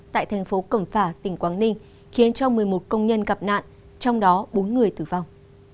tại tp cẩm phả tỉnh quảng ninh khiến một mươi một công nhân gặp nạn trong đó bốn người tử vong